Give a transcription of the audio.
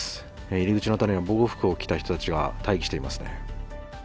入り口の辺りには防護服を着た人たちが、待機していますね。